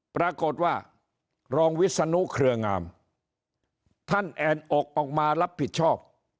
ปรากฏว่ารองวิศนุเครืองามท่านแอ่นอกออกมารับผิดชอบ